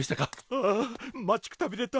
ああまちくたびれた。